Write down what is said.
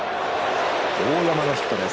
大山のヒットです。